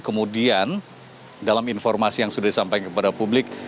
kemudian dalam informasi yang sudah disampaikan kepada publik